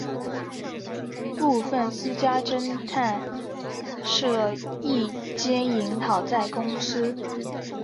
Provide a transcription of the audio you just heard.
部份私家侦探社亦兼营讨债公司。